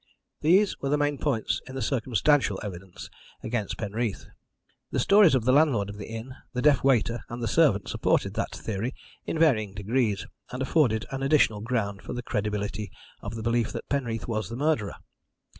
These were the main points in the circumstantial evidence against Penreath. The stories of the landlord of the inn, the deaf waiter, and the servant supported that theory in varying degrees, and afforded an additional ground for the credibility of the belief that Penreath was the murderer.